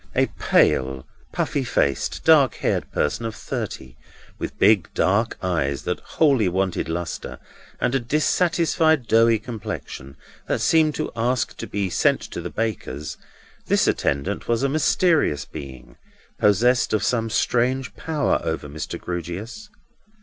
A pale, puffy faced, dark haired person of thirty, with big dark eyes that wholly wanted lustre, and a dissatisfied doughy complexion, that seemed to ask to be sent to the baker's, this attendant was a mysterious being, possessed of some strange power over Mr. Grewgious.